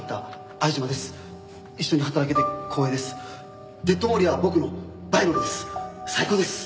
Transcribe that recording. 最高です！